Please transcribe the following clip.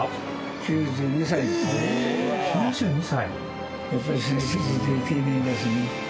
９２歳。